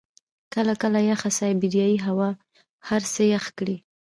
کله کله یخه سایبریايي هوا هر څه يخ کړي.